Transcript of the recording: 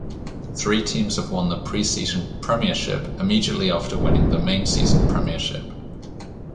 Three teams have won the pre-season premiership immediately after winning the main season premiership.